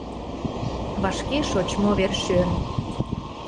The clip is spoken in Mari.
Вашке шочмо вер-шӧр.